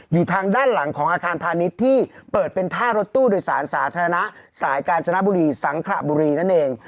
อยู่ทางด้านหลังของอาคารพาณิชย์ที่เปิดเป็นท่ารถตู้โดยสารสาธารณะสายกาญจนบุรีสังขระบุรีนั่นเอง